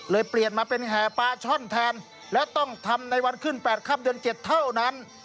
เปลี่ยนมาเป็นแห่ปลาช่อนแทนและต้องทำในวันขึ้น๘ค่ำเดือน๗เท่านั้น